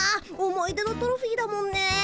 思い出のトロフィーだもんね。